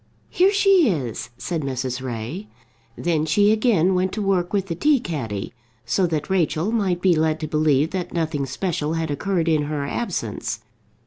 "Here she is," said Mrs. Ray. Then she again went to work with the tea caddy, so that Rachel might be led to believe that nothing special had occurred in her absence.